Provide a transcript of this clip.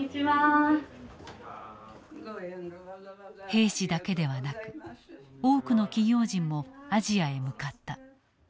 兵士だけではなく多くの企業人もアジアへ向かった。